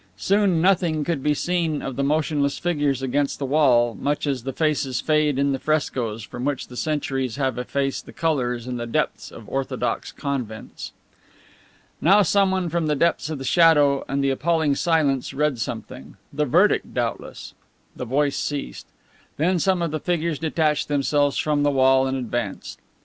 Soon nothing could be seen of the motionless figures against the wall, much as the faces fade in the frescoes from which the centuries have effaced the colors in the depths of orthodox convents. Now someone from the depths of the shadow and the appalling silence read something; the verdict, doubtless. The voice ceased. Then some of the figures detached themselves from the wall and advanced.